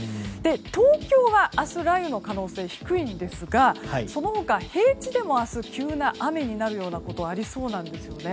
東京は明日、雷雨の可能性低いんですがその他、平地でも明日急な雨になるようなことがありそうなんですよね。